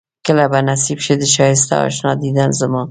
کله به نصيب شي د ښائسته اشنا ديدن زما